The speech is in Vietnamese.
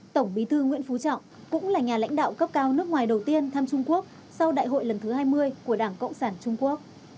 tổng bí thư nguyễn phú trọng cũng là nhà lãnh đạo cấp cao nước ngoài đầu tiên thăm trung quốc sau đại hội lần thứ hai mươi của đảng cộng sản trung quốc